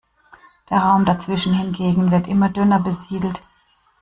Der Raum dazwischen hingegen wird immer dünner besiedelt.